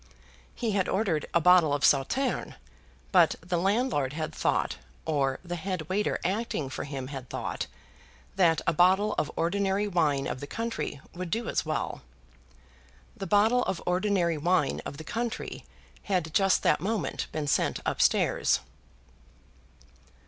He had ordered a bottle of Sauterne; but the landlord had thought, or the head waiter acting for him had thought, that a bottle of ordinary wine of the country would do as well. The bottle of ordinary wine of the country had just that moment been sent up stairs.